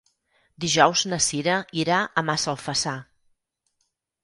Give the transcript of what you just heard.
Dijous na Cira irà a Massalfassar.